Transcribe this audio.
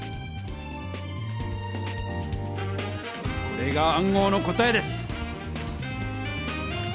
これが暗号の答えです！